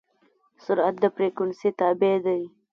سرعت د فریکونسي تابع دی.